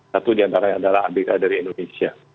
satu di antara yang adalah abk dari indonesia